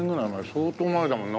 相当前だもんね。